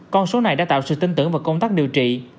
con số này đã tạo sự tin tưởng vào công tác điều trị